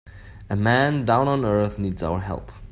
A man down on earth needs our help.